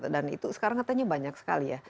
dan itu sekarang katanya banyak sekali ya